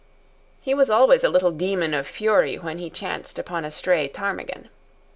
He was always a little demon of fury when he chanced upon a stray ptarmigan.